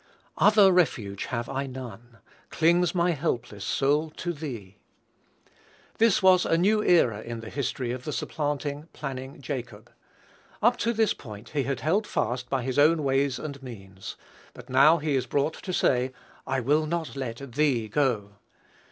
"Other refuge have I none: Clings my helpless soul to thee." This was a new era in the history of the supplanting, planning Jacob. Up to this point he had held fast by his own ways and means; but now he is brought to say, "I will not let thee go."